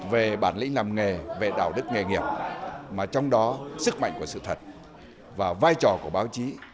về bản lĩnh làm nghề về đạo đức nghề nghiệp mà trong đó sức mạnh của sự thật và vai trò của báo chí